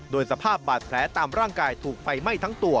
โดยสภาพบาดแผลตามร่างกายถูกไฟไหม้ทั้งตัว